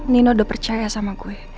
nino udah percaya sama gue